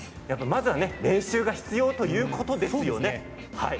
まずは練習が必要ということですよね。